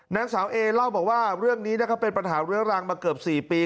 นางสาวเอเล่าบอกว่าเรื่องนี้นะครับเป็นปัญหาเรื้อรังมาเกือบ๔ปี